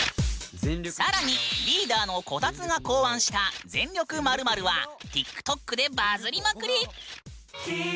更にリーダーのこたつが考案した「全力○○」はＴｉｋＴｏｋでバズりまくり！